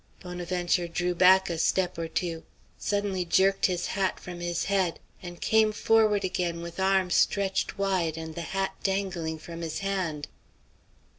Bonaventure drew back a step or two, suddenly jerked his hat from his head, and came forward again with arms stretched wide and the hat dangling from his hand.